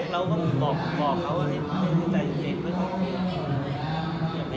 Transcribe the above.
เราก็บอกเขาว่าเฮ้ยใจเย็นเย็น